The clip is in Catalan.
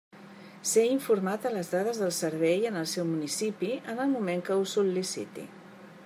Ser informat de les dades del servei en el seu municipi, en el moment que ho sol·liciti.